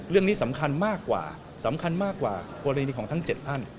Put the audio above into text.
เรื่องนี้สำคัญมากกว่าควรินิของทั้ง๗ท่าน